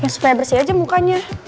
supaya bersih aja mukanya